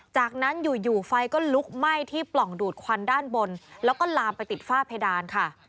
จากนั้นอยู่ไฟก็ลุกไหม้ที่ปล่องดูดควันด้านบนแล้วก็ลามไปติดฝ้าเพดานค่ะ